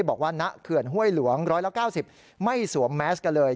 บอกว่าณเขื่อนห้วยหลวง๑๙๐ไม่สวมแมสกันเลย